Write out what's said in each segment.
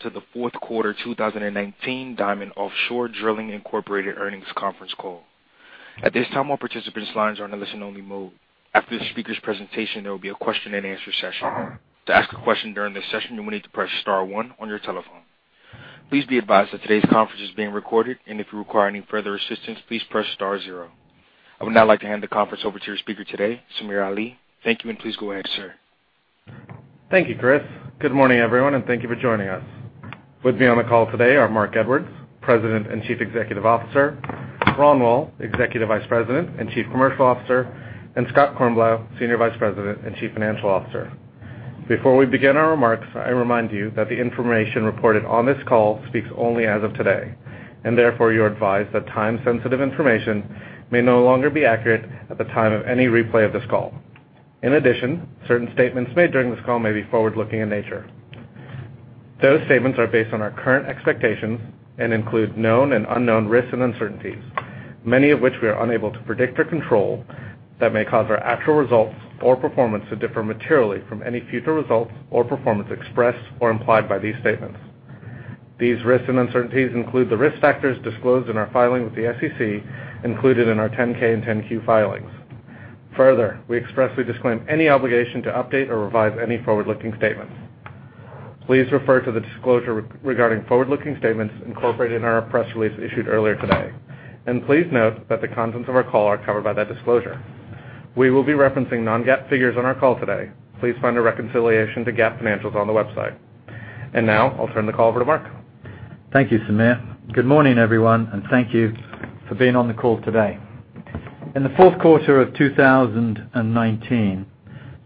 Welcome to the Fourth Quarter 2019 Diamond Offshore Drilling, Inc. Earnings Conference Call. At this time, all participants' lines are in a listen-only mode. After the speaker's presentation, there will be a question-and-answer session. To ask a question during this session, you will need to press star one on your telephone. Please be advised that today's conference is being recorded, and if you require any further assistance, please press star zero. I would now like to hand the conference over to your speaker today, Samir Ali. Thank you, and please go ahead, sir. Thank you, Chris. Good morning, everyone, and thank you for joining us. With me on the call today are Marc Edwards, President and Chief Executive Officer, Ron Woll, Executive Vice President and Chief Commercial Officer, and Scott Kornblau, Senior Vice President and Chief Financial Officer. Before we begin our remarks, I remind you that the information reported on this call speaks only as of today, and therefore you are advised that time-sensitive information may no longer be accurate at the time of any replay of this call. In addition, certain statements made during this call may be forward-looking in nature. Those statements are based on our current expectations and include known and unknown risks and uncertainties, many of which we are unable to predict or control, that may cause our actual results or performance to differ materially from any future results or performance expressed or implied by these statements. These risks and uncertainties include the risk factors disclosed in our filing with the SEC included in our 10-K and 10-Q filings. Further, we expressly disclaim any obligation to update or revise any forward-looking statements. Please refer to the disclosure regarding forward-looking statements incorporated in our press release issued earlier today, and please note that the contents of our call are covered by that disclosure. We will be referencing non-GAAP figures on our call today. Please find a reconciliation to GAAP financials on the website. Now I'll turn the call over to Marc. Thank you, Samir. Good morning, everyone, and thank you for being on the call today. In the fourth quarter of 2019,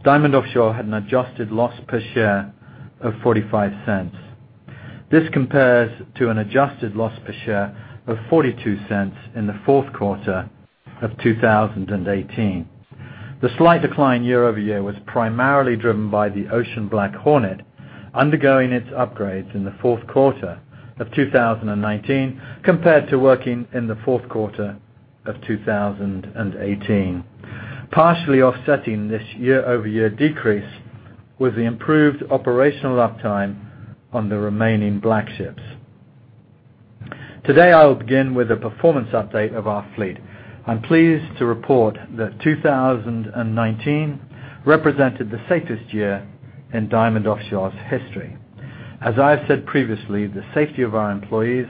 Diamond Offshore had an adjusted loss per share of $0.45. This compares to an adjusted loss per share of $0.42 in the fourth quarter of 2018. The slight decline year-over-year was primarily driven by the Ocean BlackHornet undergoing its upgrades in the fourth quarter of 2019 compared to working in the fourth quarter of 2018. Partially offsetting this year-over-year decrease was the improved operational uptime on the remaining Black Ships. Today, I will begin with a performance update of our fleet. I'm pleased to report that 2019 represented the safest year in Diamond Offshore's history. As I have said previously, the safety of our employees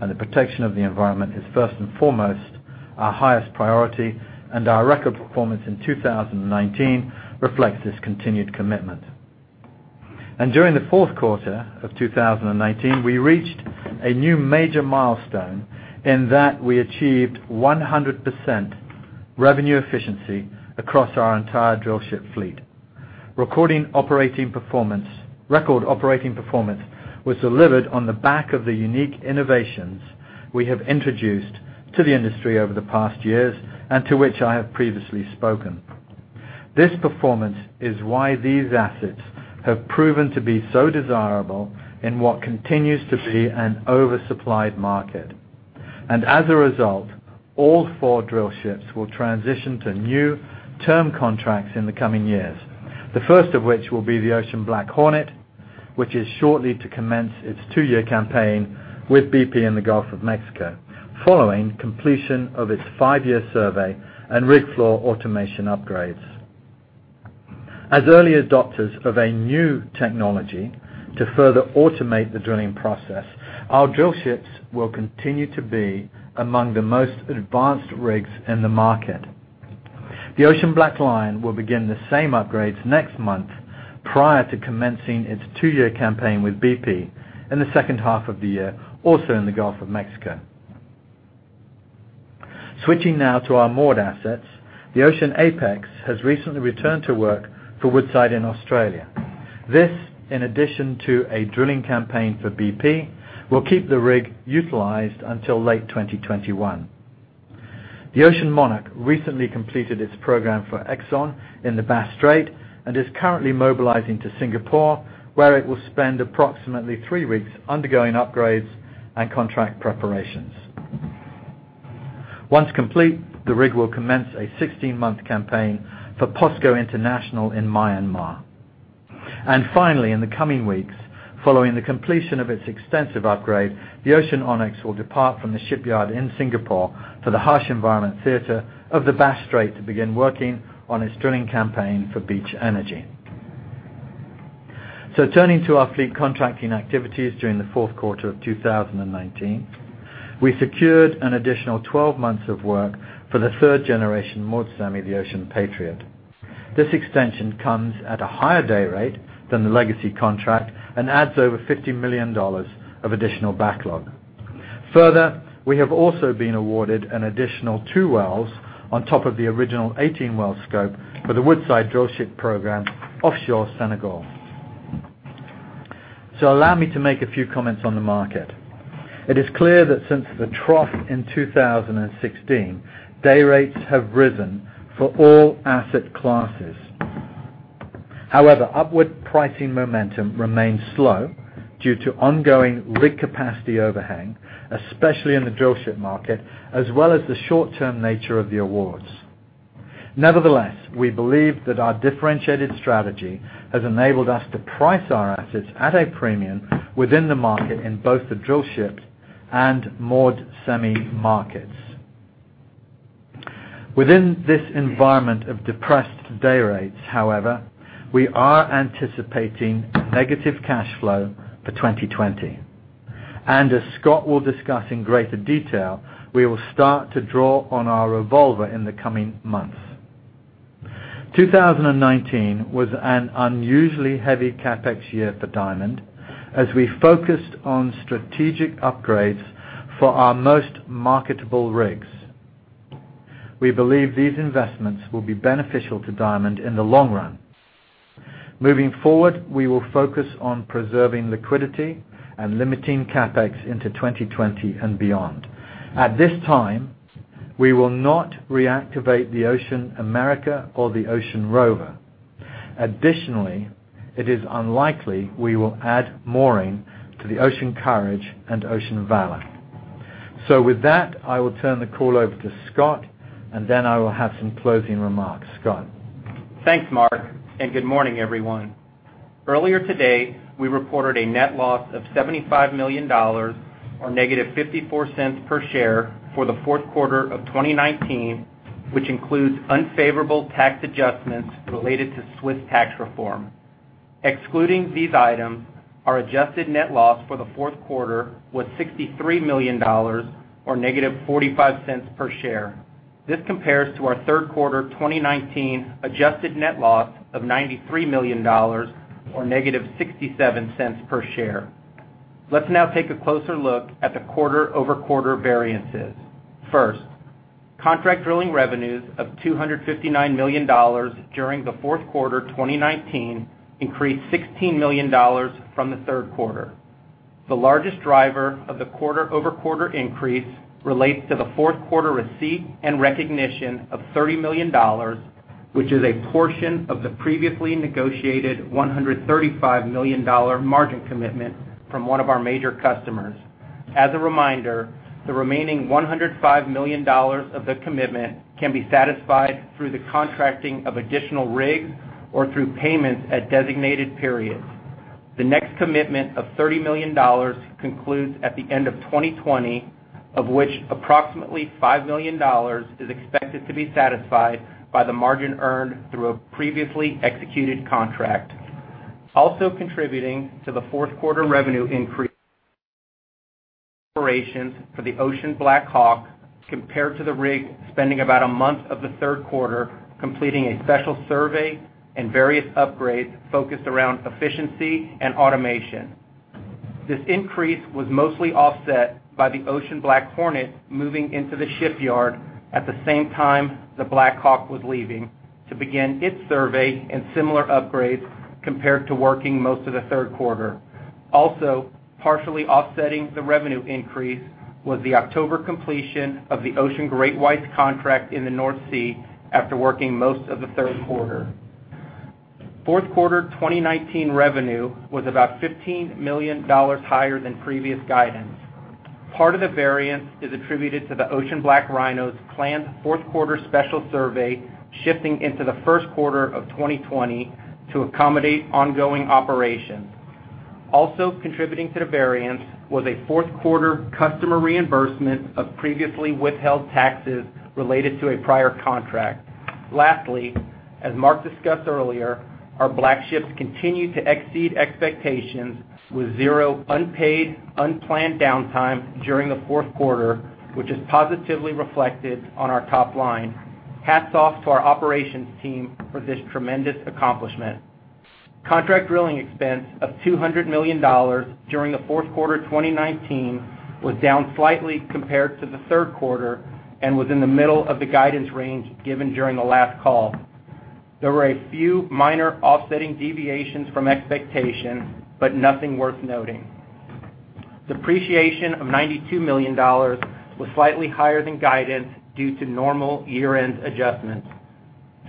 and the protection of the environment is first and foremost our highest priority, and our record performance in 2019 reflects this continued commitment. And during the fourth quarter of 2019, we reached a new major milestone in that we achieved 100% revenue efficiency across our entire drillship fleet. Record operating performance was delivered on the back of the unique innovations we have introduced to the industry over the past years and to which I have previously spoken. This performance is why these assets have proven to be so desirable in what continues to be an oversupplied market. As a result, all four drillships will transition to new term contracts in the coming years, the first of which will be the Ocean BlackHornet, which is shortly to commence its two-year campaign with BP in the Gulf of Mexico following completion of its five-year survey and rig floor automation upgrades. As early adopters of a new technology to further automate the drilling process, our drillships will continue to be among the most advanced rigs in the market. The Ocean BlackLion will begin the same upgrades next month prior to commencing its two-year campaign with BP in the second half of the year, also in the Gulf of Mexico. Switching now to our moored assets, the Ocean Apex has recently returned to work for Woodside in Australia. This, in addition to a drilling campaign for BP, will keep the rig utilized until late 2021. The Ocean Monarch recently completed its program for Exxon in the Bass Strait and is currently mobilizing to Singapore, where it will spend approximately three weeks undergoing upgrades and contract preparations. Once complete, the rig will commence a 16-month campaign for POSCO International in Myanmar. And finally, in the coming weeks, following the completion of its extensive upgrade, the Ocean Onyx will depart from the shipyard in Singapore for the harsh environment theater of the Bass Strait to begin working on its drilling campaign for Beach Energy. Turning to our fleet contracting activities during the fourth quarter of 2019, we secured an additional 12 months of work for the third-generation Maersk semi, the Ocean Patriot. This extension comes at a higher day rate than the legacy contract and adds over $50 million of additional backlog. Further we have also been awarded an additional two wells on top of the original 18-well scope for the Woodside Drillship program offshore Senegal. Allow me to make a few comments on the market. It is clear that since the trough in 2016, dayrates have risen for all asset classes. However upward pricing momentum remains slow due to ongoing rig capacity overhang, especially in the drillship market, as well as the short-term nature of the awards. Nevertheless we believe that our differentiated strategy has enabled us to price our assets at a premium within the market in both the drillship and moored semi markets. Within this environment of depressed dayrates, however, we are anticipating negative cash flow for 2020, and as Scott will discuss in greater detail, we will start to draw on our revolver in the coming months. 2019 was an unusually heavy CapEx year for Diamond as we focused on strategic upgrades for our most marketable rigs. We believe these investments will be beneficial to Diamond in the long run. Moving forward, we will focus on preserving liquidity and limiting CapEx into 2020 and beyond. At this time, we will not reactivate the Ocean America or the Ocean Rover. Additionally, it is unlikely we will add mooring to the Ocean Courage and Ocean Valor. With that, I will turn the call over to Scott, and then I will have some closing remarks. Scott? Thanks, Marc, and good morning, everyone. Earlier today, we reported a net loss of $75 million, or -$0.54 per share for the fourth quarter of 2019, which includes unfavorable tax adjustments related to Swiss tax reform. Excluding these items, our adjusted net loss for the fourth quarter was $63 million, or -$0.45 per share. This compares to our third quarter 2019 adjusted net loss of $93 million, or -$0.67 per share. Let's now take a closer look at the quarter-over-quarter variances. First, contract drilling revenues of $259 million during the fourth quarter 2019 increased $16 million from the third quarter. The largest driver of the quarter-over-quarter increase relates to the fourth quarter receipt and recognition of $30 million, which is a portion of the previously negotiated $135 million margin commitment from one of our major customers. As a reminder, the remaining $105 million of the commitment can be satisfied through the contracting of additional rigs or through payments at designated periods. The next commitment of $30 million concludes at the end of 2020, of which approximately $5 million is expected to be satisfied by the margin earned through a previously executed contract. Also contributing to the fourth quarter revenue increase, operations for the Ocean BlackHawk compared to the rig spending about one month of the third quarter completing a special survey and various upgrades focused around efficiency and automation. This increase was mostly offset by the Ocean BlackHornet moving into the shipyard at the same time the BlackHawk was leaving to begin its survey and similar upgrades compared to working most of the third quarter. Also, partially offsetting the revenue increase was the October completion of the Ocean GreatWhite's contract in the North Sea after working most of the third quarter. Fourth quarter 2019 revenue was about $15 million higher than previous guidance. Part of the variance is attributed to the Ocean BlackRhino's planned fourth-quarter special survey shifting into the first quarter of 2020 to accommodate ongoing operations. Also contributing to the variance was a fourth-quarter customer reimbursement of previously withheld taxes related to a prior contract. Lastly, as Marc discussed earlier, our Black Ships continue to exceed expectations with zero unpaid unplanned downtime during the fourth quarter, which is positively reflected on our top line. Hats off to our operations team for this tremendous accomplishment. Contract drilling expense of $200 million during the fourth quarter 2019 was down slightly compared to the third quarter and was in the middle of the guidance range given during the last call. There were a few minor offsetting deviations from expectations, but nothing worth noting. Depreciation of $92 million was slightly higher than guidance due to normal year-end adjustments.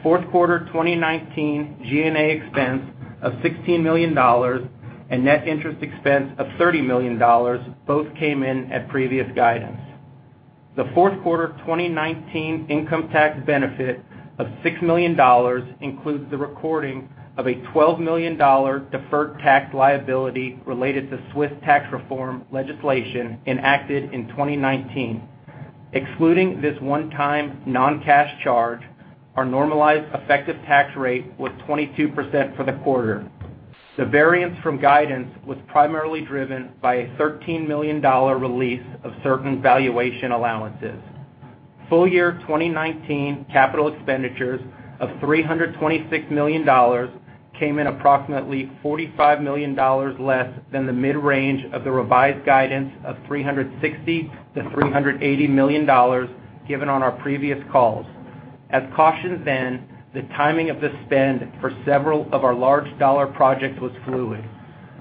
Fourth quarter 2019 G&A expense of $16 million and net interest expense of $30 million both came in at previous guidance. The fourth quarter 2019 income tax benefit of $6 million includes the recording of a $12 million deferred tax liability related to Swiss tax reform legislation enacted in 2019. Excluding this one-time non-cash charge, our normalized effective tax rate was 22% for the quarter. The variance from guidance was primarily driven by a $13 million release of certain valuation allowances. Full year 2019 capital expenditures of $326 million came in approximately $45 million less than the mid-range of the revised guidance of $360 million-$380 million given on our previous calls. As cautioned then, the timing of the spend for several of our large-dollar projects was fluid.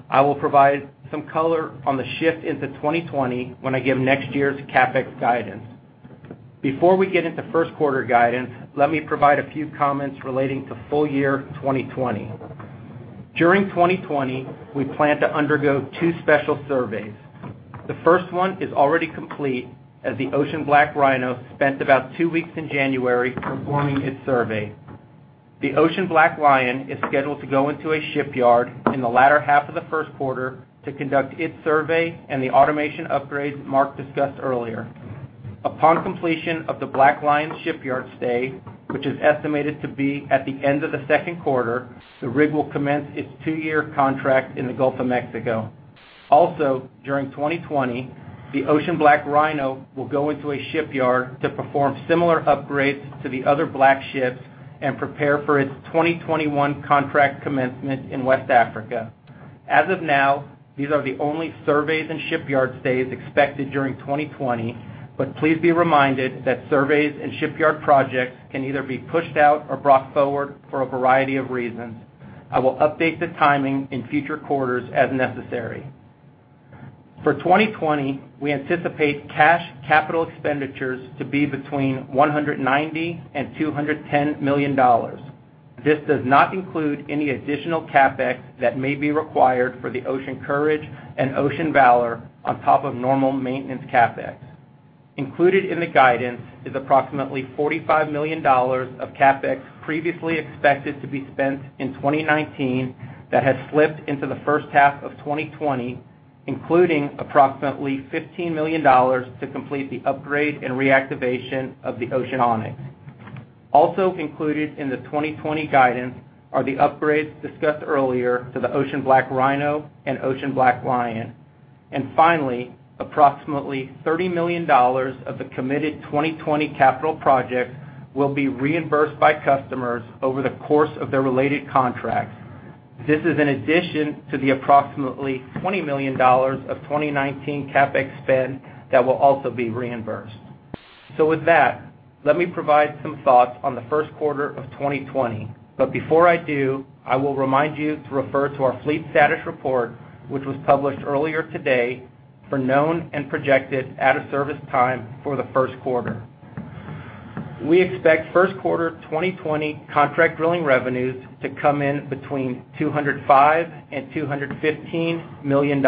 I will provide some color on the shift into 2020 when I give next year's CapEx guidance. Before we get into first-quarter guidance, let me provide a few comments relating to full year 2020. During 2020, we plan to undergo two special surveys. The first one is already complete, as the Ocean BlackRhino spent about two weeks in January performing its survey. The Ocean BlackLion is scheduled to go into a shipyard in the latter half of the first quarter to conduct its survey and the automation upgrades Marc discussed earlier. Upon completion of the BlackLion's shipyard stay, which is estimated to be at the end of the second quarter, the rig will commence its two-year contract in the Gulf of Mexico. Also during 2020, the Ocean BlackRhino will go into a shipyard to perform similar upgrades to the other Black Ships and prepare for its 2021 contract commencement in West Africa. As of now, these are the only surveys and shipyard stays expected during 2020. But please be reminded that surveys and shipyard projects can either be pushed out or brought forward for a variety of reasons. I will update the timing in future quarters as necessary. For 2020, we anticipate cash capital expenditures to be between $190 million and $210 million. This does not include any additional CapEx that may be required for the Ocean Courage and Ocean Valor on top of normal maintenance CapEx. Included in the guidance is approximately $45 million of CapEx previously expected to be spent in 2019 that has slipped into the first half of 2020, including approximately $15 million to complete the upgrade and reactivation of the Ocean Onyx. Also included in the 2020 guidance are the upgrades discussed earlier to the Ocean BlackRhino and Ocean BlackLion. Finally, approximately $30 million of the committed 2020 capital projects will be reimbursed by customers over the course of their related contracts. This is in addition to the approximately $20 million of 2019 CapEx spend that will also be reimbursed. With that, let me provide some thoughts on the first quarter of 2020. Before I do, I will remind you to refer to our Fleet Status Report, which was published earlier today, for known and projected out-of-service time for the first quarter. We expect first quarter 2020 contract drilling revenues to come in between $205 million and $215 million.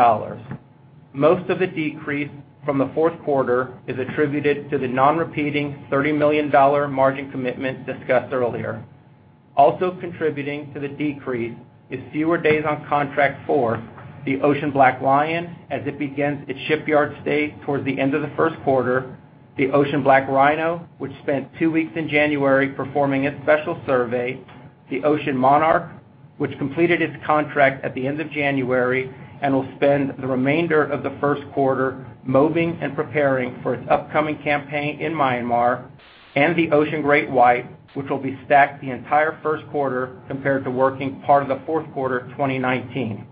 Most of the decrease from the fourth quarter is attributed to the non-repeating $30 million margin commitment discussed earlier. Also contributing to the decrease is fewer days on contract for the Ocean BlackLion as it begins its shipyard stay towards the end of the first quarter, the Ocean BlackRhino, which spent two weeks in January performing its special survey, the Ocean Monarch, which completed its contract at the end of January and will spend the remainder of the first quarter mobbing and preparing for its upcoming campaign in Myanmar. And the Ocean GreatWhite, which will be stacked the entire first quarter compared to working part of the fourth quarter of 2019.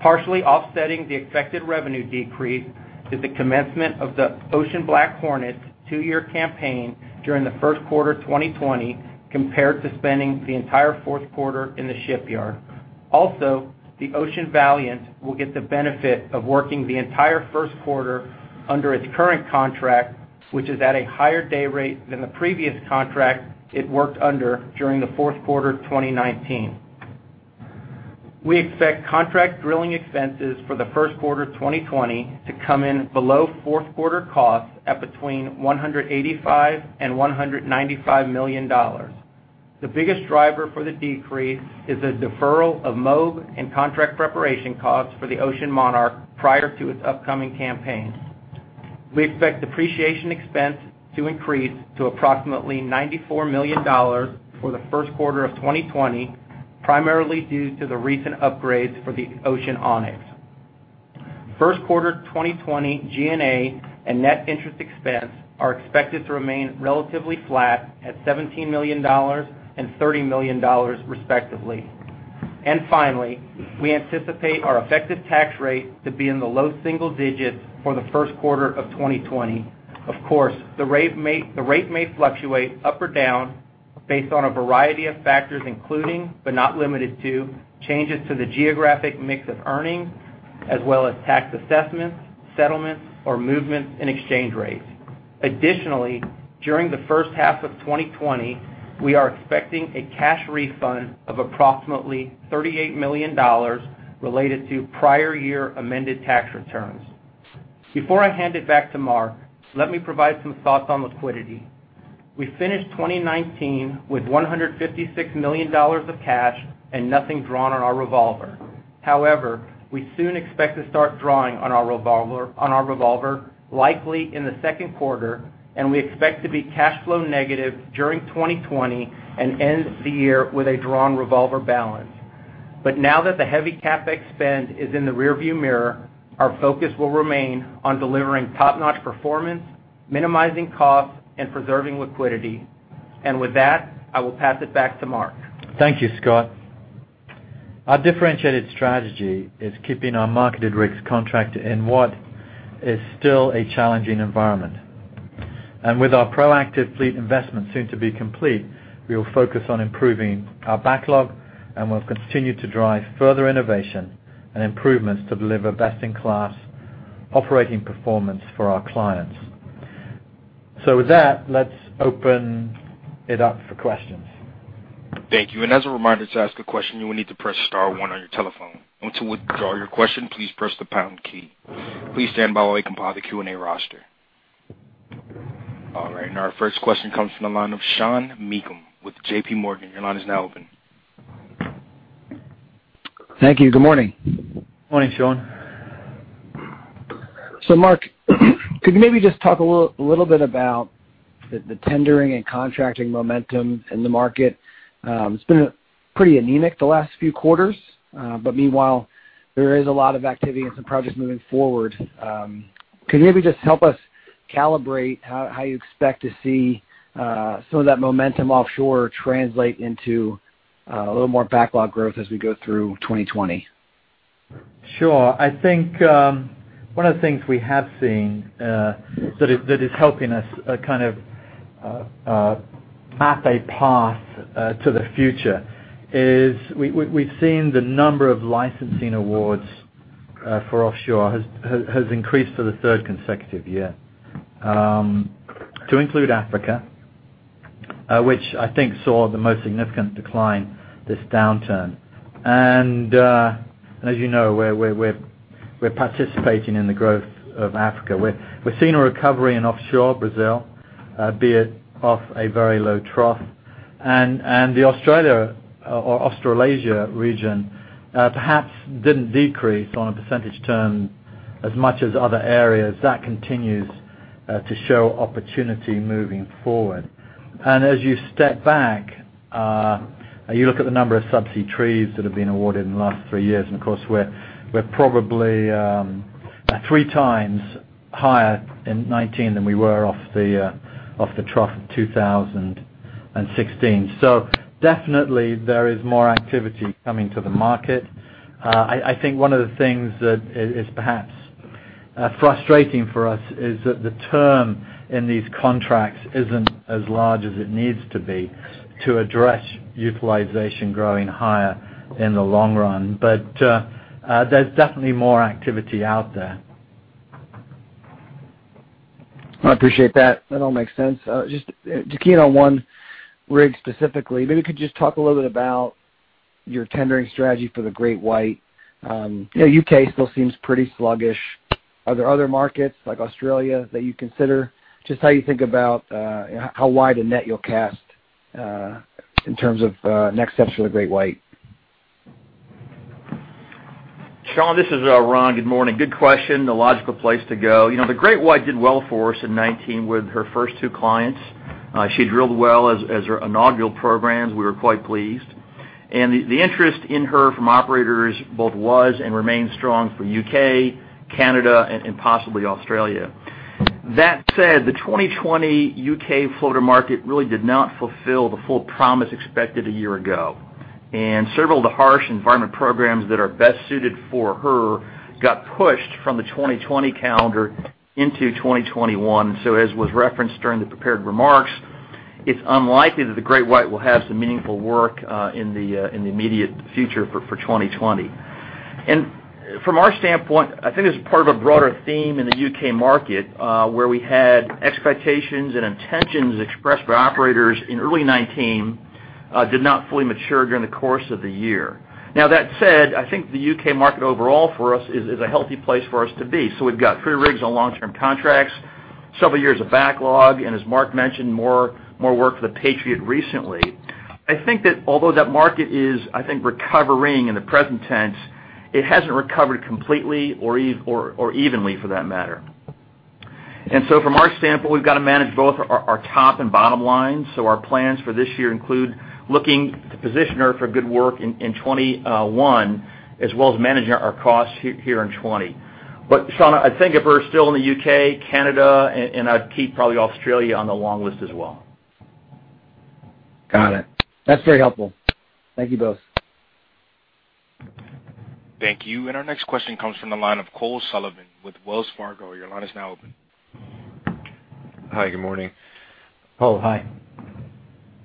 Partially offsetting the expected revenue decrease is the commencement of the Ocean BlackHornet's two-year campaign during the first quarter 2020 compared to spending the entire fourth quarter in the shipyard. Also, the Ocean Valiant will get the benefit of working the entire first quarter under its current contract, which is at a higher day rate than the previous contract it worked under during the fourth quarter of 2019. We expect contract drilling expenses for the first quarter of 2020 to come in below fourth quarter costs at between $185 million and $195 million. The biggest driver for the decrease is a deferral of mob and contract preparation costs for the Ocean Monarch prior to its upcoming campaign. We expect depreciation expense to increase to approximately $94 million for the first quarter of 2020, primarily due to the recent upgrades for the Ocean Onyx. First quarter 2020 G&A and net interest expense are expected to remain relatively flat at $17 million and $30 million respectively. And finally, we anticipate our effective tax rate to be in the low single digits for the first quarter of 2020. Of course, the rate may fluctuate up or down based on a variety of factors, including, but not limited to, changes to the geographic mix of earnings as well as tax assessments, settlements, or movements in exchange rates. Additionally during the first half of 2020, we are expecting a cash refund of approximately $38 million related to prior year amended tax returns. Before I hand it back to Marc, let me provide some thoughts on liquidity. We finished 2019 with $156 million of cash and nothing drawn on our revolver. However, we soon expect to start drawing on our revolver, likely in the second quarter, and we expect to be cash flow negative during 2020 and end the year with a drawn revolver balance. But now that the heavy CapEx spend is in the rearview mirror, our focus will remain on delivering top-notch performance, minimizing costs, and preserving liquidity. With that, I will pass it back to Marc. Thank you, Scott. Our differentiated strategy is keeping our marketed rigs contracted in what is still a challenging environment. With our proactive fleet investment soon to be complete, we will focus on improving our backlog and will continue to drive further innovation and improvements to deliver best-in-class operating performance for our clients. With that, let's open it up for questions. Thank you. As a reminder, to ask a question, you will need to press star one on your telephone. To withdraw your question, please press the pound key. Please stand by while we compile the Q&A roster. All right. Our first question comes from the line of Sean Meakim with JPMorgan. Your line is now open. Thank you. Good morning. Morning, Sean. Marc, could you maybe just talk a little bit about the tendering and contracting momentum in the market? It's been pretty anemic the last few quarters. Meanwhile, there is a lot of activity and some projects moving forward. Can you maybe just help us calibrate how you expect to see some of that momentum offshore translate into a little more backlog growth as we go through 2020? Sure. I think one of the things we have seen that is helping us kind of map a path to the future is we've seen the number of licensing awards for offshore has increased for the third consecutive year, to include Africa, which I think saw the most significant decline this downturn. And as you know, we're participating in the growth of Africa. We're seeing a recovery in offshore Brazil, be it off a very low trough. The Australia or Australasia region, perhaps didn't decrease on a percentage term as much as other areas. That continues to show opportunity moving forward. And as you step back, you look at the number of subsea trees that have been awarded in the last three years. Of course, we're probably 3x higher in 2019 than we were off the trough of 2016. Definitely there is more activity coming to the market. I think one of the things that is perhaps frustrating for us is that the term in these contracts isn't as large as it needs to be to address utilization growing higher in the long run. There's definitely more activity out there. I appreciate that. That all makes sense. Just to key in on one rig specifically, maybe you could just talk a little bit about your tendering strategy for the GreatWhite. U.K. still seems pretty sluggish. Are there other markets like Australia that you consider? Just how you think about how wide a net you'll cast in terms of next steps for the GreatWhite. Sean, this is Ron. Good morning. Good question. The logical place to go. The GreatWhite did well for us in 2019 with her first two clients. She drilled well as her inaugural programs. We were quite pleased. The interest in her from operators both was and remains strong for U.K., Canada, and possibly Australia. That said, the 2020 UK floater market really did not fulfill the full promise expected a year ago. Several of the harsh environment programs that are best suited for her got pushed from the 2020 calendar into 2021. As was referenced during the prepared remarks, it's unlikely that the GreatWhite will have some meaningful work in the immediate future for 2020. From our standpoint, I think this is part of a broader theme in the UK market, where we had expectations and intentions expressed by operators in early 2019, did not fully mature during the course of the year. That said, I think the UK market overall for us is a healthy place for us to be. We've got three rigs on long-term contracts, several years of backlog, and as Marc mentioned, more work for the Patriot recently. I think that although that market is, I think, recovering in the present tense, it hasn't recovered completely or evenly for that matter. From our standpoint, we've got to manage both our top and bottom lines. Our plans for this year include looking to position her for good work in 2021, as well as managing our costs here in 2020. But Sean, I think if we're still in the U.K., Canada, and I'd keep probably Australia on the long list as well. Got it. That's very helpful. Thank you both. Thank you. Our next question comes from the line of Cole Sullivan with Wells Fargo. Your line is now open. Hi, good morning. Cole, hi.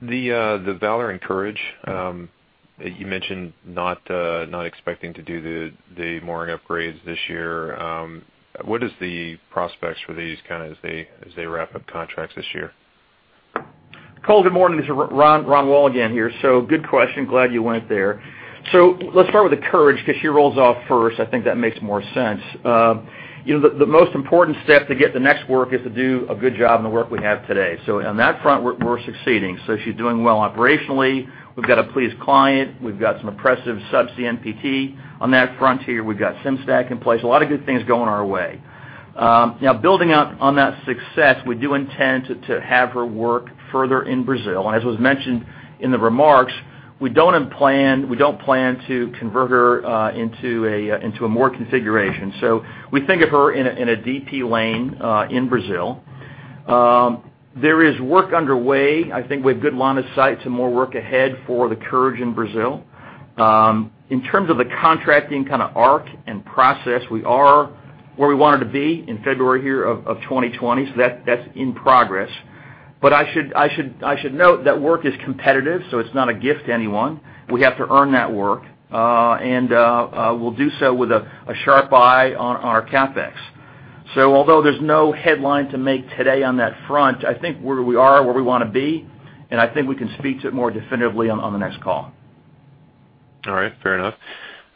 The Valor and Courage, you mentioned not expecting to do the mooring upgrades this year. What is the prospects for these kind of as they wrap up contracts this year? Cole, good morning. This is Ron Woll again here. Good question. Glad you went there. Let's start with the Courage because she rolls off first. I think that makes more sense. The most important step to get the next work is to do a good job on the work we have today. On that front, we're succeeding. She's doing well operationally. We've got a pleased client. We've got some impressive subsea NPT on that frontier. We've got Sim-Stack in place. A lot of good things going our way. Building up on that success, we do intend to have her work further in Brazil. As was mentioned in the remarks, we don't plan to convert her into a moor configuration. We think of her in a DP lane in Brazil. There is work underway. I think we have good line of sight, some more work ahead for the Courage in Brazil. In terms of the contracting kind of arc and process, we are where we wanted to be in February here of 2020. That's in progress. But I should note that work is competitive, so it's not a gift to anyone. We have to earn that work. And we'll do so with a sharp eye on our CapEx. Although there's no headline to make today on that front, I think where we are, where we want to be, I think we can speak to it more definitively on the next call. All right, fair enough.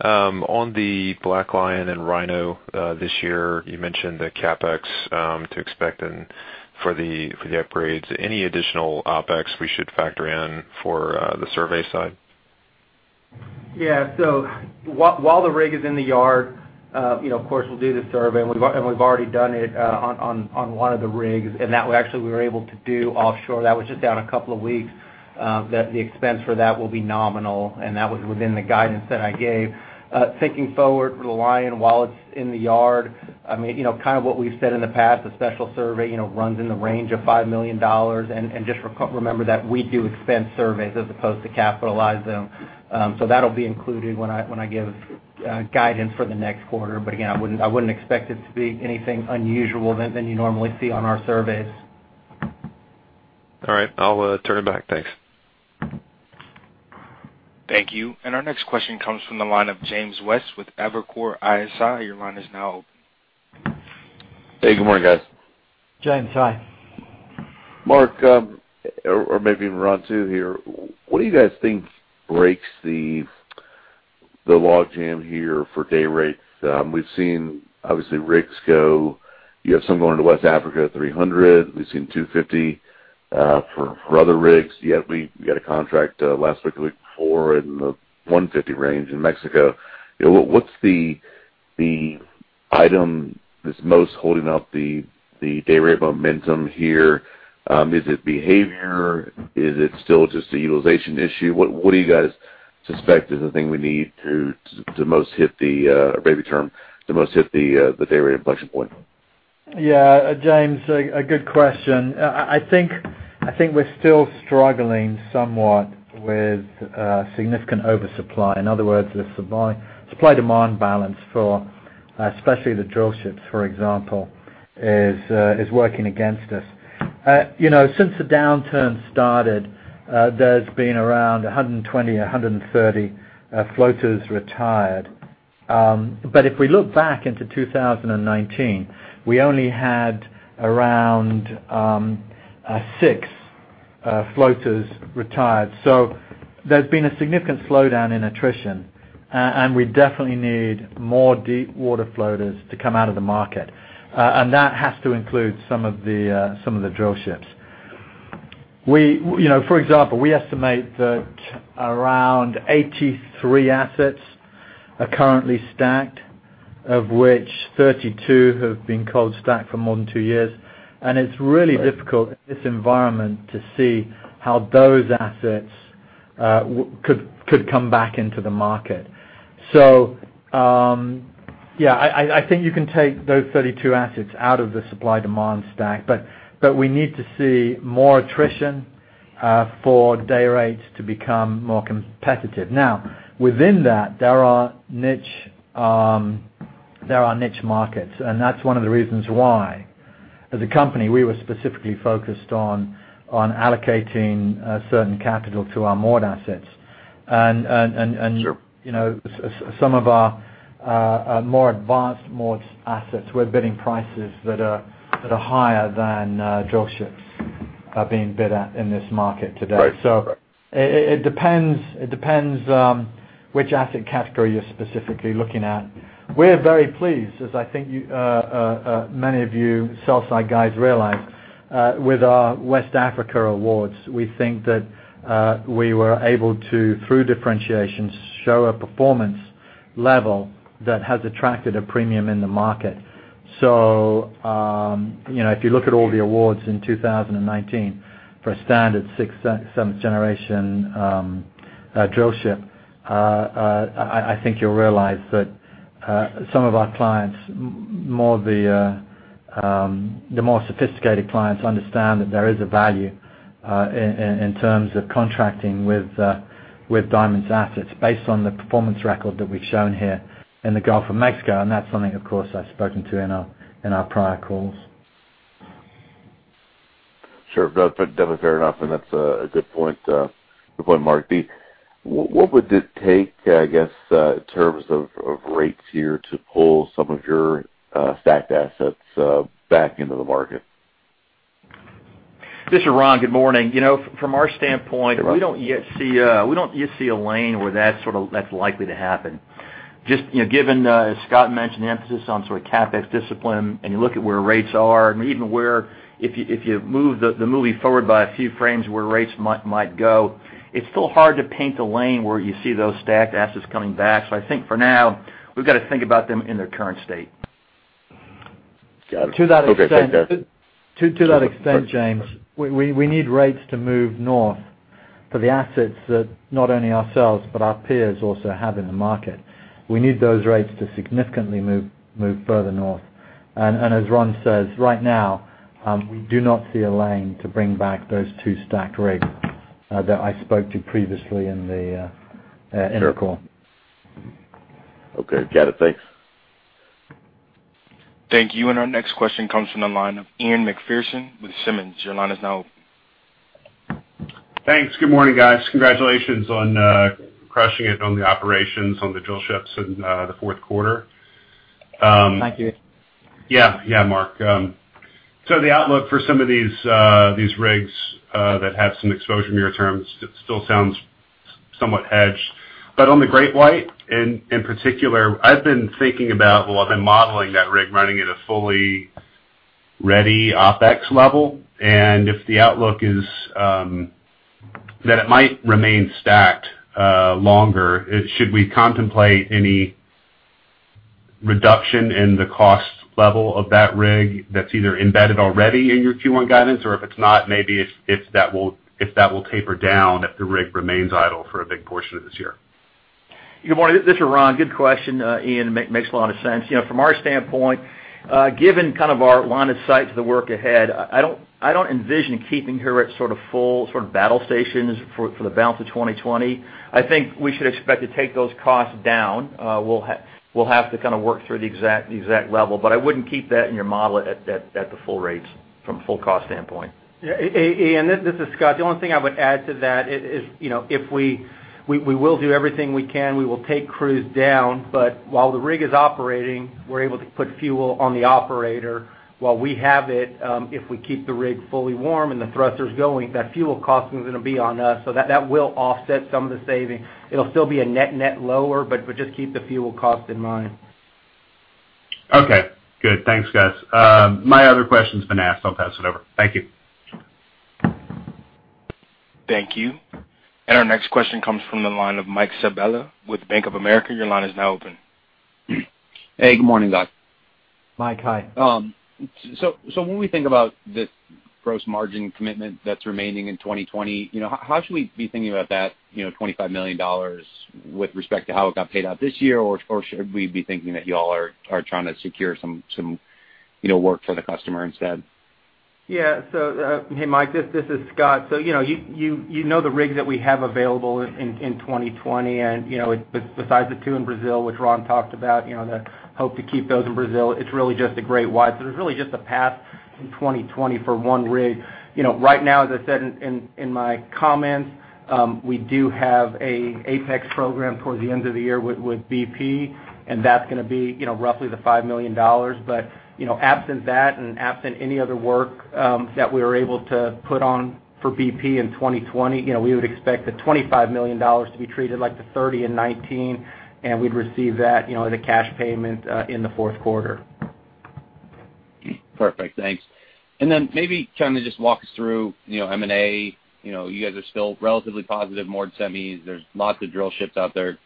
On the BlackLion and Rhino, this year, you mentioned the CapEx to expect for the upgrades. Any additional OpEx we should factor in for the survey side? While the rig is in the yard, of course we'll do the survey, and we've already done it on one of the rigs, and that way actually we were able to do offshore. That was just down a couple of weeks, that the expense for that will be nominal, and that was within the guidance that I gave. Thinking forward with Lion while it's in the yard, kind of what we've said in the past, a special survey runs in the range of $5 million. Just remember that we do expense surveys as opposed to capitalize them. That'll be included when I give guidance for the next quarter. Again, I wouldn't expect it to be anything unusual than you normally see on our surveys. All right. I'll turn it back. Thanks. Thank you. Our next question comes from the line of James West with Evercore ISI. Your line is now open. Hey, good morning, guys. James, hi. Marc, or maybe Ron too here, what do you guys think breaks the log jam here for day rates? We've seen, obviously, rigs go. You have some going to West Africa at $300,000. We've seen $250,000 for other rigs. We got a contract last week, a week before in the $150,000 range in Mexico. What's the item that's most holding up the day rate momentum here? Is it behavior? Is it still just a utilization issue? What do you guys suspect is the thing we need to most hit the day rate inflection point? Yeah, James, a good question. I think we're still struggling somewhat with significant oversupply. In other words, the supply-demand balance for especially the drillships, for example, is working against us. Since the downturn started, there's been around 120, 130 floaters retired. If we look back into 2019, we only had around six floaters retired. There's been a significant slowdown in attrition. We definitely need more deepwater floaters to come out of the market. That has to include some of the drillships. For example, we estimate that around 83 assets are currently stacked, of which 32 have been cold stacked for more than two years. It's really difficult in this environment to see how those assets could come back into the market. Yeah, I think you can take those 32 assets out of the supply-demand stack, but we need to see more attrition for day rates to become more competitive. Within that, there are niche markets. That's one of the reasons why, as a company, we were specifically focused on allocating certain capital to our moored assets. Sure. Some of our more advanced moored assets, we're bidding prices that are higher than drillships are being bid at in this market today. Right. It depends which asset category you're specifically looking at. We're very pleased, as I think many of you sell-side guys realize, with our West Africa awards. We think that we were able to, through differentiation, show a performance level that has attracted a premium in the market. If you look at all the awards in 2019 for a standard sixth, seventh generation drill ship, I think you'll realize that some of our clients, the more sophisticated clients understand that there is a value in terms of contracting with Diamond's assets based on the performance record that we've shown here in the Gulf of Mexico. That's something, of course, I've spoken to in our prior calls. Sure. No, fair enough, and that's a good point, Marc. What would it take, I guess, in terms of rates here to pull some of your stacked assets back into the market? This is Ron. Good morning. From our standpoint- Hey, Ron. we don't yet see a lane where that's likely to happen. Just given, as Scott mentioned, the emphasis on sort of CapEx discipline, and you look at where rates are, and even where if you move the movie forward by a few frames where rates might go, it's still hard to paint a lane where you see those stacked assets coming back. But I think for now, we've got to think about them in their current state. Got it. Okay, thanks, guys. To that extent, James, we need rates to move north for the assets that not only ourselves, but our peers also have in the market. We need those rates to significantly move further north. As Ron says, right now, we do not see a lane to bring back those two stacked rigs that I spoke to previously. Sure Earnings call. Okay. Got it. Thanks. Thank you. Our next question comes from the line of Ian Macpherson with Simmons. Your line is now open. Thanks. Good morning, guys. Congratulations on crushing it on the operations on the drill ships in the fourth quarter. Thank you. Yeah, Marc. The outlook for some of these rigs that have some exposure near term still sounds somewhat hedged. On the GreatWhite in particular, I've been thinking about, well, I've been modeling that rig running at a fully ready OpEx level. And If the outlook is that it might remain stacked longer, should we contemplate any reduction in the cost level of that rig that's either embedded already in your Q1 guidance? If it's not, maybe if that will taper down if the rig remains idle for a big portion of this year. Good morning. This is Ron. Good question, Ian. Makes a lot of sense. From our standpoint, given kind of our line of sight to the work ahead, I don't envision keeping her at sort of full battle stations for the balance of 2020. I think we should expect to take those costs down. We'll have to kind of work through the exact level. I wouldn't keep that in your model at the full rates from a full cost standpoint. Ian, this is Scott. The only thing I would add to that is we will do everything we can. We will take crews down, but while the rig is operating, we're able to put fuel on the operator while we have it, if we keep the rig fully warm and the thrusters going, that fuel cost is going to be on us. That will offset some of the saving. It'll still be a net lower, but just keep the fuel cost in mind. Okay, good. Thanks, guys. My other question's been asked, so I'll pass it over. Thank you. Thank you. Our next question comes from the line of Michael Sabella with Bank of America. Your line is now open. Hey, good morning, guys. Mike, hi. When we think about the gross margin commitment that's remaining in 2020, how should we be thinking about that $25 million with respect to how it got paid out this year? Should we be thinking that you all are trying to secure some work for the customer instead? Hey, Mike, this is Scott. You know the rigs that we have available in 2020 and besides the two in Brazil, which Ron talked about, the hope to keep those in Brazil, it's really just the GreatWhite. There's really just a path in 2020 for one rig. Right now, as I said in my comments, we do have a Apex program towards the end of the year with BP, that's going to be roughly $5 million. Absent that and absent any other work that we were able to put on for BP in 2020, we would expect the $25 million to be treated like the $30 million in 2019, we'd receive that as a cash payment in the fourth quarter. Perfect. Thanks. Then maybe, can you just walk us through M&A? You guys are still relatively positive, more semis. There's lots of drill ships out there,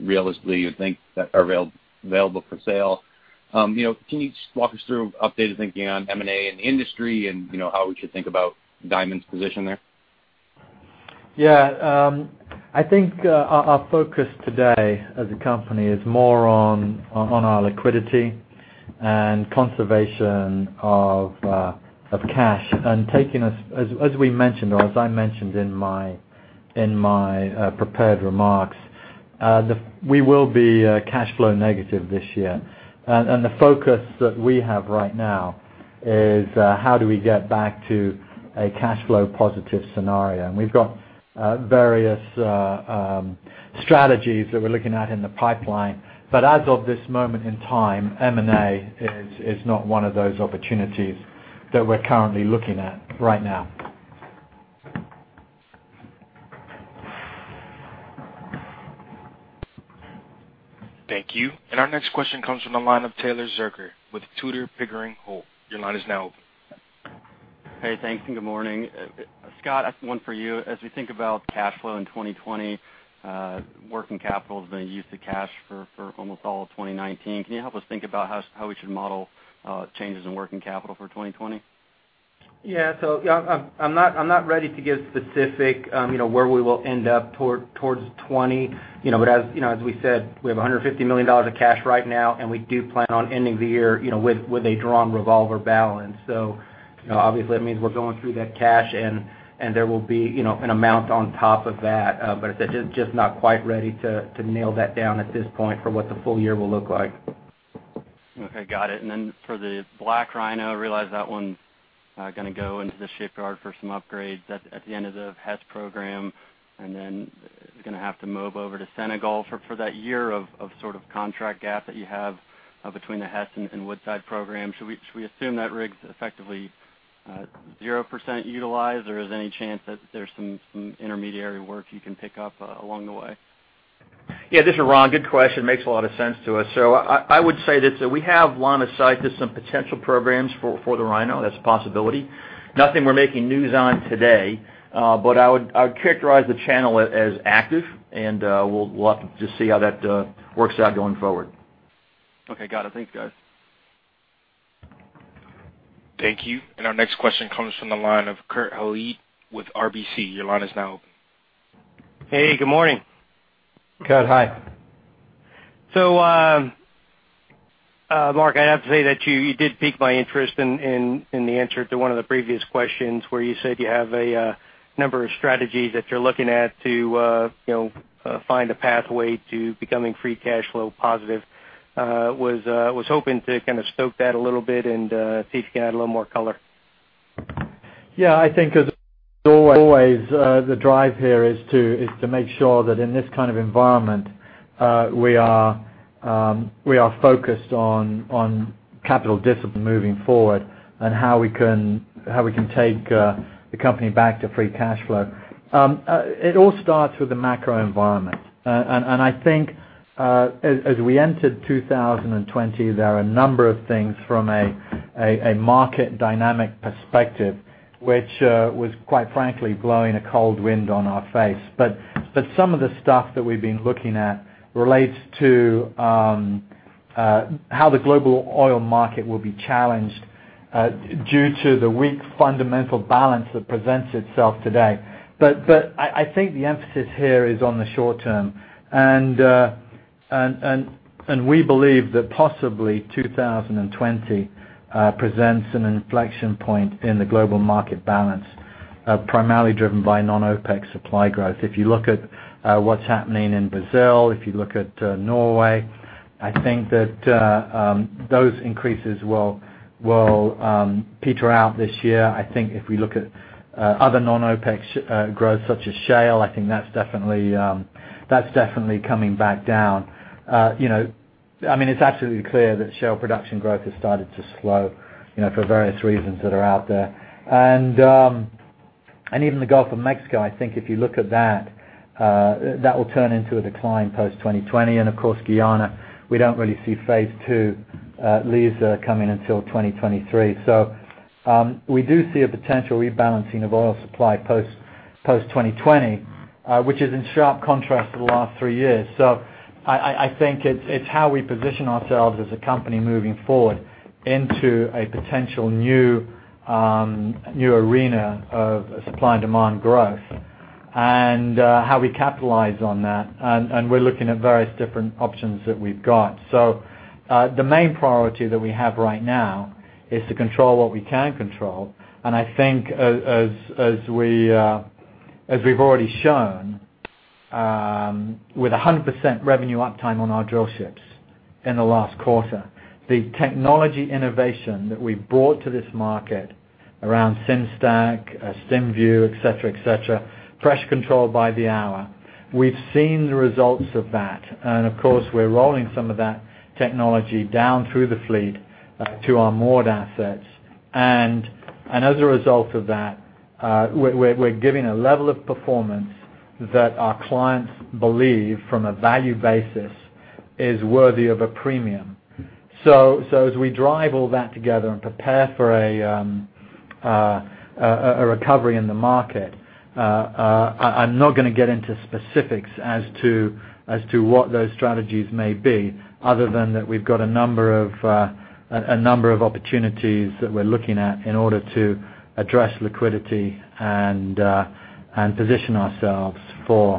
realistically you think that are available for sale. Can you just walk us through updated thinking on M&A in the industry and how we should think about Diamond's position there? Yeah. I think our focus today as a company is more on our liquidity and conservation of cash. As we mentioned, or as I mentioned in my prepared remarks, we will be cash flow negative this year. The focus that we have right now is how do we get back to a cash flow positive scenario? We've got various strategies that we're looking at in the pipeline. But as of this moment in time, M&A is not one of those opportunities that we're currently looking at right now. Thank you. Our next question comes from the line of Taylor Zurcher with Tudor, Pickering, Holt. Your line is now open. Hey, thanks, and good morning. Scott, I have one for you. As we think about cash flow in 2020, working capital has been a use of cash for almost all of 2019. Can you help us think about how we should model changes in working capital for 2020? I'm not ready to give specific where we will end up towards 2020. As we said, we have $150 million of cash right now, and we do plan on ending the year with a drawn revolver balance. Obviously, that means we're going through that cash and there will be an amount on top of that. As I said, just not quite ready to nail that down at this point for what the full year will look like. Okay, got it. For the BlackRhino, I realize that one's gonna go into the shipyard for some upgrades at the end of the Hess program, and then is gonna have to move over to Senegal for that year of sort of contract gap that you have between the Hess and Woodside program. Should we assume that rig's effectively 0% utilized, or is there any chance that there's some intermediary work you can pick up along the way? Yeah, this is Ron. Good question. Makes a lot of sense to us. I would say this, that we have line of sight to some potential programs for the Rhino. That's a possibility. Nothing we're making news on today. But I would characterize the channel as active, and we'll have to just see how that works out going forward. Okay, got it. Thanks, guys. Thank you. Our next question comes from the line of Kurt Hallead with RBC. Your line is now open. Hey, good morning. Kurt, hi. Marc, I'd have to say that you did pique my interest in the answer to one of the previous questions where you said you have a number of strategies that you're looking at to find a pathway to becoming free cash flow positive. Was hoping to kind of stoke that a little bit and see if you can add a little more color. Yeah, I think as always, the drive here is to make sure that in this kind of environment, we are focused on capital discipline moving forward and how we can take the company back to free cash flow. It all starts with the macro environment. And I think as we entered 2020, there are a number of things from a market dynamic perspective, which was quite frankly blowing a cold wind on our face. But some of the stuff that we've been looking at relates to how the global oil market will be challenged due to the weak fundamental balance that presents itself today. But I think the emphasis here is on the short term. And we believe that possibly 2020 presents an inflection point in the global market balance primarily driven by non-OPEC supply growth. If you look at what's happening in Brazil, if you look at Norway, I think that those increases will peter out this year. I think if we look at other non-OPEC growth such as shale, I think that's definitely coming back down. It's absolutely clear that shale production growth has started to slow for various reasons that are out there. Even the Gulf of Mexico, I think if you look at that will turn into a decline post 2020. Of course, Guyana, we don't really see Phase II leaves coming until 2023. We do see a potential rebalancing of oil supply post 2020 which is in sharp contrast to the last three years. I think it's how we position ourselves as a company moving forward into a potential new arena of supply and demand growth and how we capitalize on that. And we're looking at various different options that we've got. The main priority that we have right now is to control what we can control. I think as we've already shown with 100% revenue uptime on our drillships in the last quarter, the technology innovation that we've brought to this market around Sim-Stack, Stack-View, et cetera, Pressure Control by the Hour. We've seen the results of that. And of course, we're rolling some of that technology down through the fleet to our moored assets. And as a result of that, we're giving a level of performance that our clients believe from a value basis is worthy of a premium. As we drive all that together and prepare for a recovery in the market, I'm not going to get into specifics as to what those strategies may be other than that we've got a number of opportunities that we're looking at in order to address liquidity and position ourselves for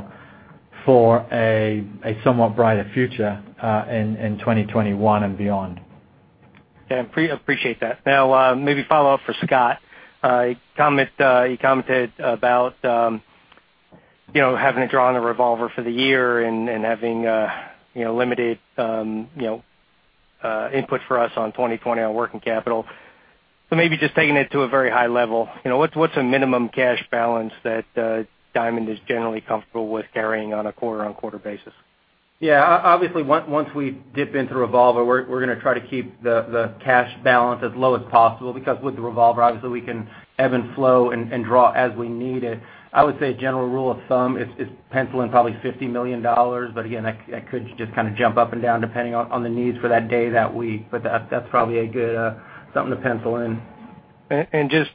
a somewhat brighter future in 2021 and beyond. Okay. Appreciate that. Maybe follow up for Scott. You commented about having to draw on the revolver for the year and having limited input for us on 2020 on working capital. Maybe just taking it to a very high level, what's a minimum cash balance that Diamond is generally comfortable with carrying on a quarter-on-quarter basis? Obviously, once we dip into revolver, we're going to try to keep the cash balance as low as possible because with the revolver, obviously we can ebb and flow and draw as we need it. I would say a general rule of thumb is pencil in probably $50 million. Again, that could just jump up and down depending on the needs for that day, that week. That's probably a good something to pencil in. Just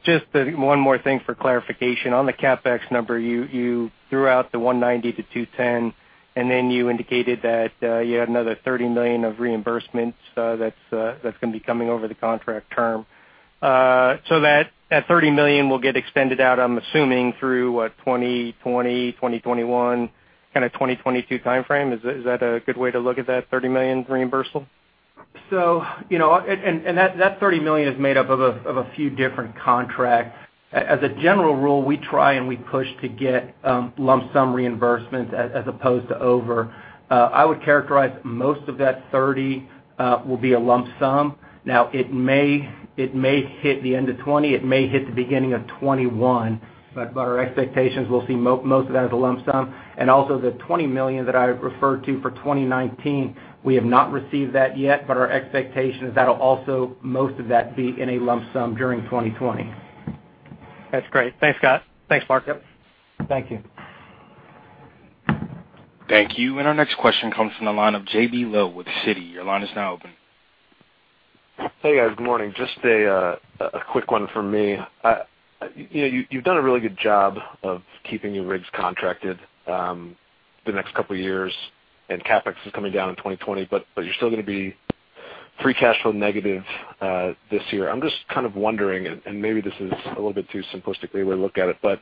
one more thing for clarification. On the CapEx number, you threw out the $190 million-$210 million, and then you indicated that you had another $30 million of reimbursements that's going to be coming over the contract term. That $30 million will get extended out, I'm assuming through what, 2020, 2021, kind of 2022 timeframe? Is that a good way to look at that $30 million reimbursement? That $30 million is made up of a few different contracts. As a general rule, we try and we push to get lump sum reimbursements as opposed to over. I would characterize most of that $30 million will be a lump sum. It may hit the end of 2020. It may hit the beginning of 2021. But our expectations, we'll see most of that as a lump sum. And also the $20 million that I referred to for 2019, we have not received that yet, but our expectation is that'll also most of that be in a lump sum during 2020. That's great. Thanks, Scott. Thanks, Marc. Yep. Thank you. Thank you. Our next question comes from the line of J.B. Lowe with Citi. Your line is now open. Hey, guys. Good morning. Just a quick one from me. You've done a really good job of keeping your rigs contracted the next couple of years, and CapEx is coming down in 2020, but you're still going to be free cash flow negative this year. I'm just kind of wondering, and maybe this is a little bit too simplistic a way to look at it, but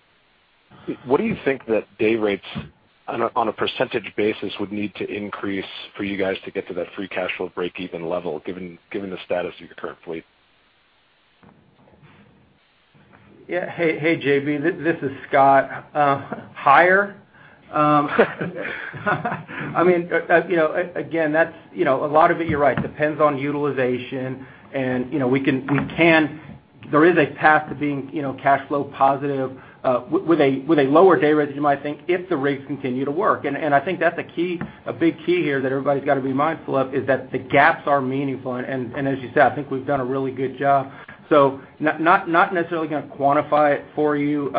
what do you think that day rates on a percentage basis would need to increase for you guys to get to that free cash flow breakeven level given the status of your current fleet? Yeah. Hey, J.B. This is Scott. Again, a lot of it, you're right, depends on utilization, and there is a path to being cash flow positive with a lower dayrate than you might think if the rates continue to work. I think that's a big key here that everybody's got to be mindful of, is that the gaps are meaningful. As you said, I think we've done a really good job. Not necessarily going to quantify it for you,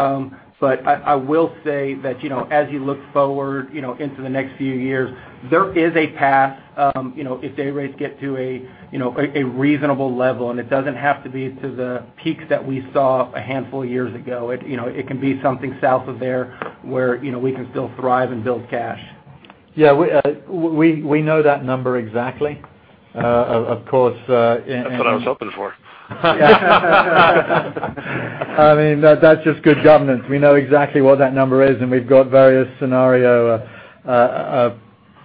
but I will say that as you look forward into the next few years, there is a path if dayrates get to a reasonable level, and it doesn't have to be to the peaks that we saw a handful of years ago. It can be something south of there where we can still thrive and build cash. Yeah. We know that number exactly, of course. That's what I was hoping for. That's just good governance. We know exactly what that number is, and we've got various scenario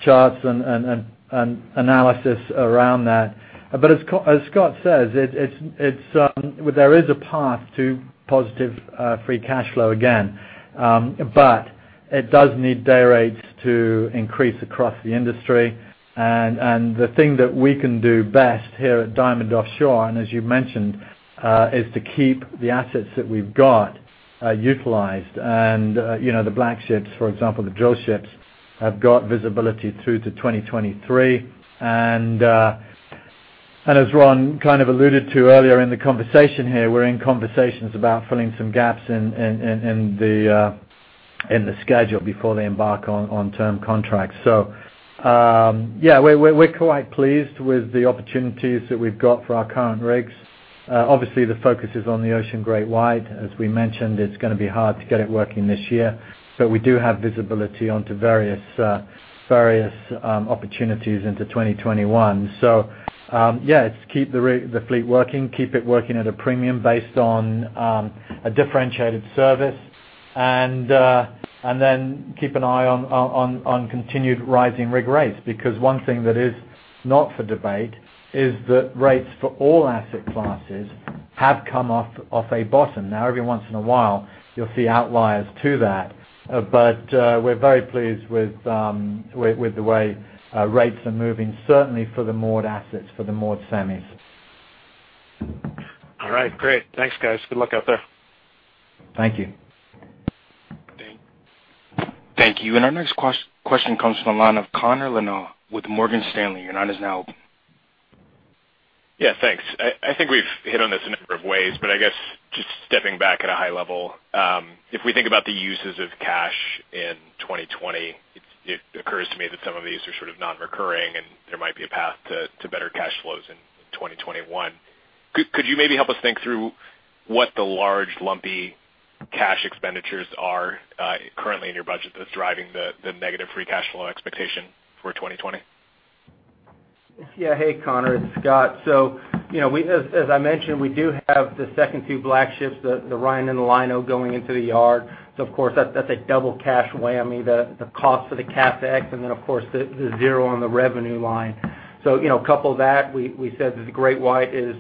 charts and analysis around that. As Scott says, there is a path to positive free cash flow again. But it does need dayrates to increase across the industry, and the thing that we can do best here at Diamond Offshore, and as you mentioned, is to keep the assets that we've got utilized. The Black Ships, for example, the drillships, have got visibility through to 2023. As Ron kind of alluded to earlier in the conversation here, we're in conversations about filling some gaps in the schedule before they embark on term contracts. Yeah, we're quite pleased with the opportunities that we've got for our current rigs. Obviously, the focus is on the Ocean GreatWhite. As we mentioned, it's going to be hard to get it working this year, but we do have visibility onto various opportunities into 2021. Yeah, it's keep the fleet working, keep it working at a premium based on a differentiated service, and then keep an eye on continued rising rig rates. One thing that is not for debate is that rates for all asset classes have come off a bottom. Every once in a while you'll see outliers to that. We're very pleased with the way rates are moving, certainly for the moored assets, for the moored semis. All right. Great. Thanks, guys. Good luck out there. Thank you. Thank you. Our next question comes from the line of Connor Lynagh with Morgan Stanley. Your line is now open. Yeah, thanks. I think we've hit on this a number of ways, but I guess just stepping back at a high level, if we think about the uses of cash in 2020, it occurs to me that some of these are sort of non-recurring, and there might be a path to better cash flows in 2021. Could you maybe help us think through what the large, lumpy cash expenditures are currently in your budget that's driving the negative free cash flow expectation for 2020? Yeah. Hey, Connor, it's Scott. As I mentioned, we do have the second two Black Ships, the Rhino and the Lion, going into the yard. Of course, that's a double cash whammy, the cost of the CapEx, and then of course, the zero on the revenue line. Couple that, we said that the GreatWhite is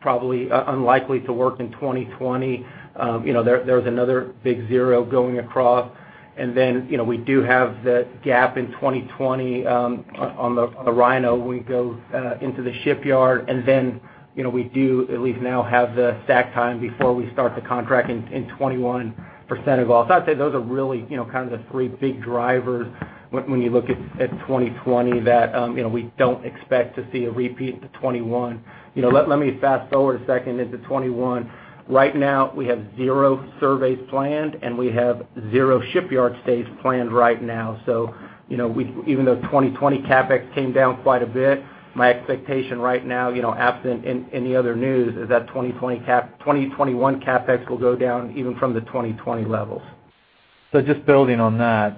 probably unlikely to work in 2020. There is another big zero going across. We do have that gap in 2020 on the Rhino when we go into the shipyard, and then we do at least now have the stack time before we start the contract in 2021 for Senegal. I'd say those are really kind of the three big drivers when you look at 2020 that we don't expect to see a repeat to 2021. Let me fast-forward a second into 2021. Right now, we have zero surveys planned, and we have zero shipyard stays planned right now. Even though 2020 CapEx came down quite a bit, my expectation right now, absent any other news, is that 2021 CapEx will go down even from the 2020 levels. Just building on that,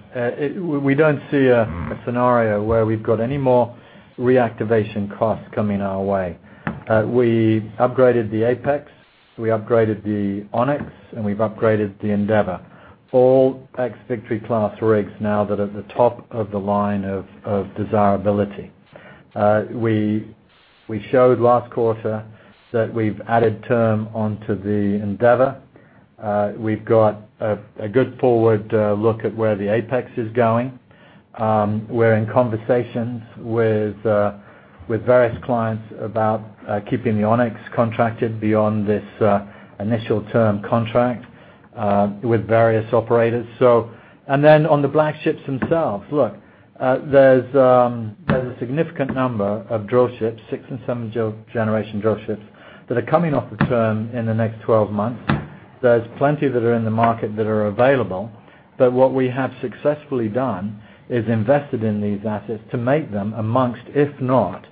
we don't see a scenario where we've got any more reactivation costs coming our way. We upgraded the Apex, we upgraded the Onyx, and we've upgraded the Endeavor, all ex-Victory Class rigs now that are at the top of the line of desirability. We showed last quarter that we've added term onto the Endeavor. We've got a good forward look at where the Apex is going. We're in conversations with various clients about keeping the Onyx contracted beyond this initial term contract with various operators. And then on the Black Ships themselves, look, there's a significant number of drillships, sixth- and seventh-generation drillships, that are coming off of term in the next 12 months. There's plenty that are in the market that are available. What we have successfully done is invested in these assets to make them amongst, if not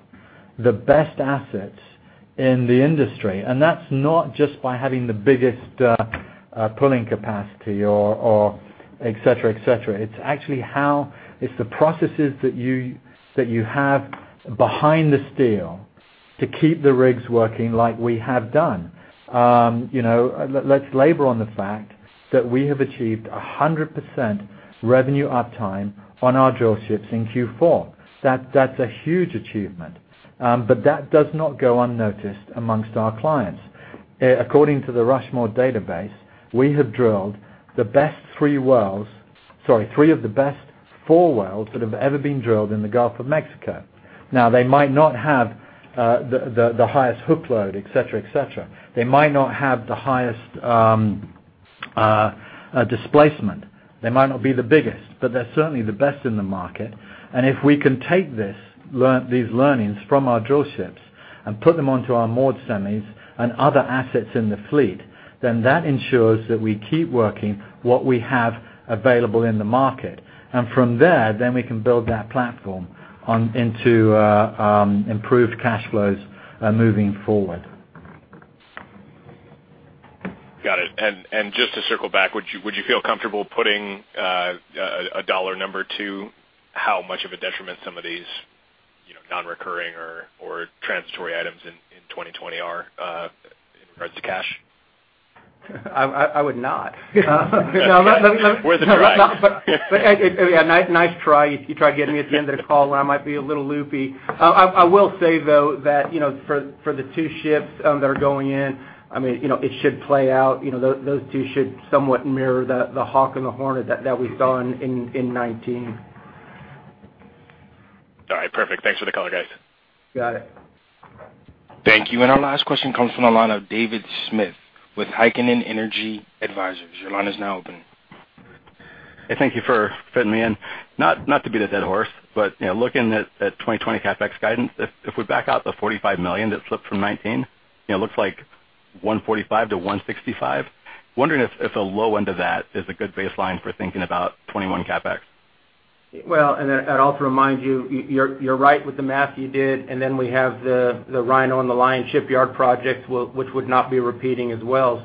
the best assets in the industry. And that's not just by having the biggest pulling capacity or et cetera. It's the processes that you have behind the steel to keep the rigs working like we have done. Let's labor on the fact that we have achieved 100% revenue uptime on our drillships in Q4. That's a huge achievement. But that does not go unnoticed amongst our clients. According to the Rushmore database, we have drilled three of the best four wells that have ever been drilled in the Gulf of Mexico. They might not have the highest hook load, et cetera. They might not have the highest displacement. They might not be the biggest, but they're certainly the best in the market. And if we can take these learnings from our drill ships and put them onto our moored semis and other assets in the fleet, then that ensures that we keep working what we have available in the market. And from there, then we can build that platform into improved cash flows moving forward. Got it. Just to circle back, would you feel comfortable putting a dollar number to how much of a detriment some of these non-recurring or transitory items in 2020 are in regards to cash? I would not. Worth a try. Nice try. You try getting me at the end of the call when I might be a little loopy. I will say, though, that for the two ships that are going in, it should play out. Those two should somewhat mirror the Hawk and the Hornet that we saw in 2019. All right. Perfect. Thanks for the color, guys. Got it. Thank you. Our last question comes from the line of David Smith with Heikkinen Energy Advisors. Your line is now open. Thank you for fitting me in. Not to beat a dead horse, looking at 2020 CapEx guidance, if we back out the $45 million that slipped from 2019, it looks like $145 million-$165 million. Wondering if the low end of that is a good baseline for thinking about 2021 CapEx. Well, I'd also remind you're right with the math you did, and then we have the Rhino on the Lion shipyard project, which would not be repeating as well.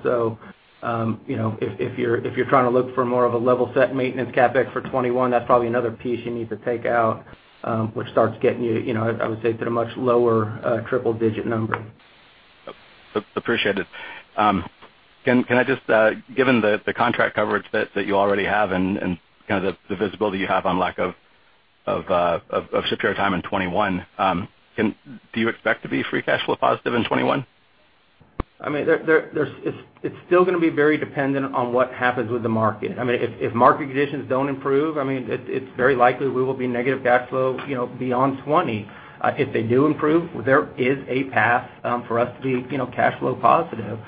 If you're trying to look for more of a level-set maintenance CapEx for 2021, that's probably another piece you need to take out, which starts getting you, I would say, to the much lower triple-digit number. Appreciate it. Given the contract coverage that you already have and the visibility you have on lack of shipyard time in 2021, do you expect to be free cash flow positive in 2021? I mean it's still going to be very dependent on what happens with the market. If market conditions don't improve, it's very likely we will be negative cash flow beyond 2020. If they do improve, there is a path for us to be cash flow positive.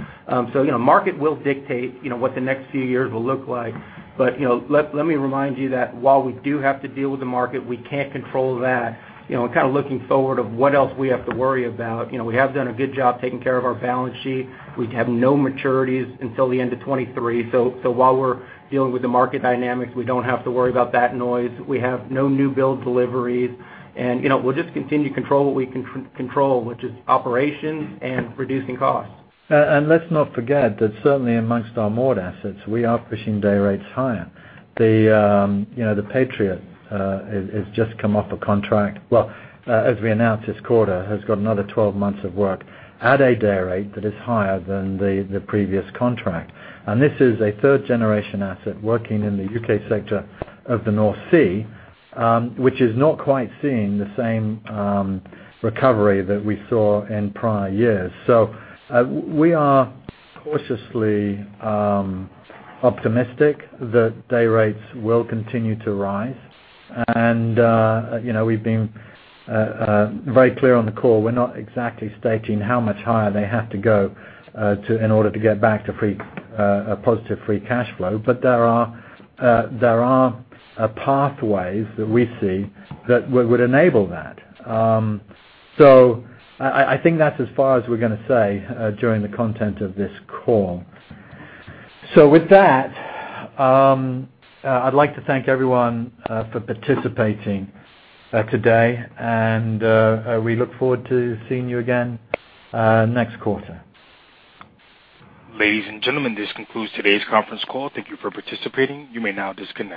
Market will dictate what the next few years will look like. But let me remind you that while we do have to deal with the market, we can't control that. Kind of looking forward of what else we have to worry about. We have done a good job taking care of our balance sheet. We have no maturities until the end of 2023. While we're dealing with the market dynamics, we don't have to worry about that noise. We have no new build deliveries, and we'll just continue to control what we can control, which is operations and reducing costs. Let's not forget that certainly amongst our moored assets, we are pushing day rates higher. The Patriot has just come off a contract. Well, as we announced this quarter, has got another 12 months of work at a day rate that is higher than the previous contract. This is a third-generation asset working in the UK sector of the North Sea, which is not quite seeing the same recovery that we saw in prior years. We are cautiously optimistic that day rates will continue to rise. We've been very clear on the call. We're not exactly stating how much higher they have to go in order to get back to a positive free cash flow. There are pathways that we see that would enable that. I think that's as far as we're going to say during the content of this call. With that, I'd like to thank everyone for participating today, and we look forward to seeing you again next quarter. Ladies and gentlemen, this concludes today's conference call. Thank you for participating. You may now disconnect.